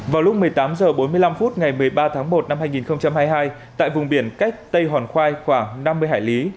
vào lúc một mươi tám h bốn mươi năm phút ngày một mươi ba tháng một năm hai nghìn hai mươi hai tại vùng biển cách tây hòn khoai khoảng năm mươi hải lý